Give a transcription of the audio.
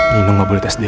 nino gak boleh tes dna